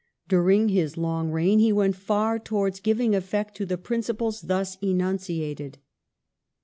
During his long reign he went far towards giving effect to the principles thus enunciated.